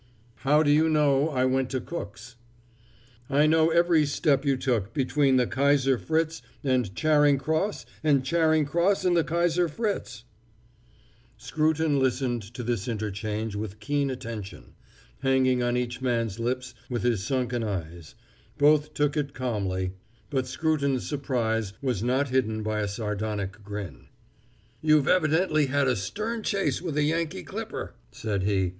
"How do you know I went to Cook's?" "I know every step you took between the Kaiser Fritz and Charing Cross and Charing Cross and the Kaiser Fritz!" Scruton listened to this interchange with keen attention, hanging on each man's lips with his sunken eyes; both took it calmly, but Scruton's surprise was not hidden by a sardonic grin. "You've evidently had a stern chase with a Yankee clipper!" said he.